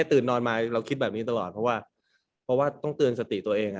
ตื่นนอนมาเราคิดแบบนี้ตลอดเพราะว่าเพราะว่าต้องเตือนสติตัวเอง